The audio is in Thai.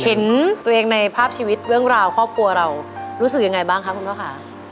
เห็นตัวเองในภาพชีวิตเรื่องราวครอบครัวเรารู้สึกยังไงบ้างคะคุณพ่อค่ะ